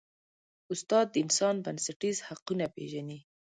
استاد د انسان بنسټیز حقونه پېژني.